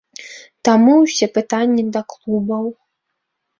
Таму ўсе пытанні да клубаў.